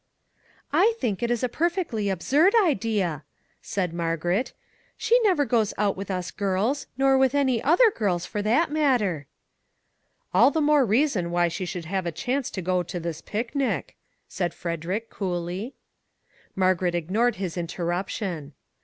I think it is a perfectly absurd idea !" said Margaret. " She never goes out with us girls, nor with any other girls, for that matter." " All the more reason why she should have a chance to go to this picnic," said Frederick, coolly. Margaret ignored his interruption.